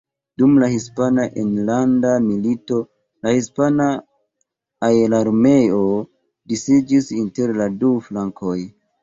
Dum la Hispana Enlanda Milito la Hispana Aerarmeo disiĝis inter la du flankoj.